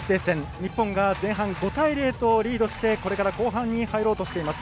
日本が前半５対０とリードしてこれから後半に入ろうとしています。